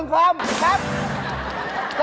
น้ำบ่อย